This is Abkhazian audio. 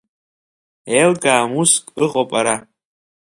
Еилкаам уск ыҟоуп ара…